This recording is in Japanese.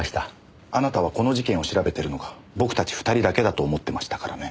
あなたはこの事件を調べてるのが僕たち２人だけだと思ってましたからね。